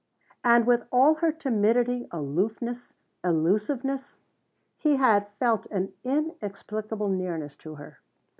And with all her timidity, aloofness, elusiveness, he had felt an inexplicable nearness to her.